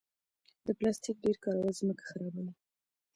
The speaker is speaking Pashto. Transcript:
د پلاستیک ډېر کارول ځمکه خرابوي.